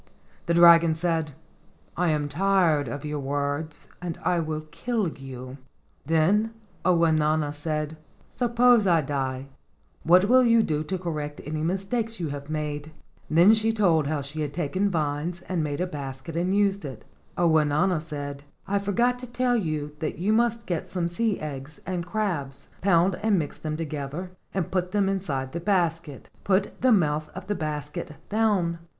The dragon said, "I am tired of your words and I will kill you." Then Ounauna said, "Suppose I die, what will you do to correct any mistakes you have made?" Then she told how she had taken vines and made a basket and used it. Ounauna said: "I forgot to tell you that you must get some sea eggs and crabs, pound and mix them together and put them inside the basket. Put the mouth of the basket down.